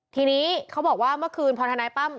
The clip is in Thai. ทีนี้เขาบอกว่าเมื่อคืนพอทนายตั้ม